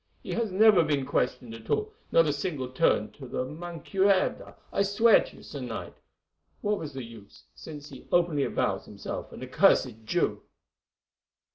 "He has never been questioned at all, not a single turn of the mancuerda, I swear to you, Sir Knight. What was the use, since he openly avows himself an accursed Jew?"